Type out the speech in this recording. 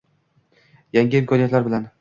Yangi imkoniyatlar bilan